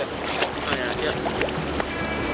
ini adalah perawatan yang terakhir